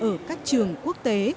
ở các trường quốc tế